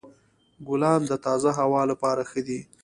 ګلان د تازه هوا لپاره ښه دي.